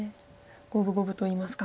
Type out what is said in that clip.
五分五分といいますか。